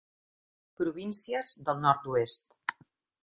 Províncies del Nord-oest.